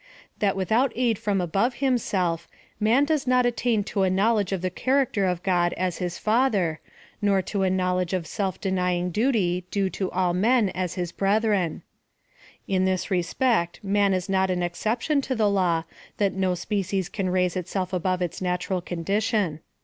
— that without aid from above himself, man does not attain to a knowledge of the character of God as his Father, nor to a knowledge of self denying duty due to all men as his brethren. In this respect man is not an exception to the law, that no species can raise itself above its natural condition.